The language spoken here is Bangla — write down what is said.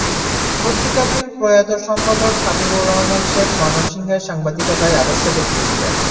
পত্রিকাটির প্রয়াত সম্পাদক হাবিবুর রহমান শেখ ময়মনসিংহের সাংবাদিকতায় আদর্শ ব্যক্তি ছিলেন।